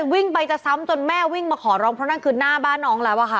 วิ่งไปจะซ้ำจนแม่วิ่งมาขอร้องเพราะนั่นคือหน้าบ้านน้องแล้วอะค่ะ